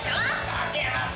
かけます。